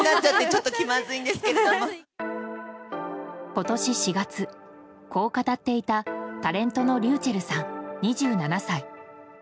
今年４月、こう語っていたタレントのｒｙｕｃｈｅｌｌさん２７歳。